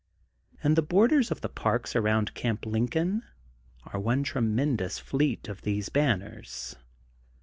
And the borders of the parks around Camp Lincoln are one tremendous fleet of these banners.